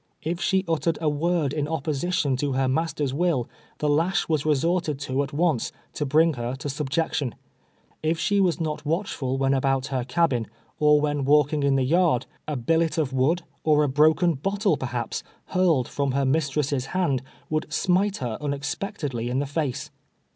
If she uttered a word in opposition to her master's will, the lash was resorted to at once, to bring her to subjection ; if she was not watchful when about her cabin, or when walking in the yard, a billet of wood, or a l)roken bottle perhaps, hurled from her mistress' hand, would smite her unexpectedly in the face.